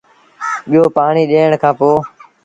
ٻيو پآڻيٚ ڏيٚڻ کآݩ پو